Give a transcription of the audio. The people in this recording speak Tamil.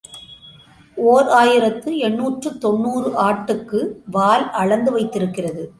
ஓர் ஆயிரத்து எண்ணூற்று தொன்னூறு ஆட்டுக்கு வால் அளந்து வைத்திருக்கிறது